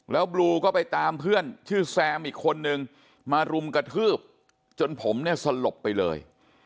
แล้วบลูก็ไปตามเพื่อนชื่อแซมอีกคนนึงมารุมกระทืบจนผมเนี่ยสลบไปเลย